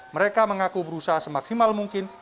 mereka mengaku berusaha semaksimal mungkin